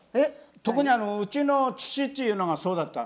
特にうちの父っていうのがそうだった。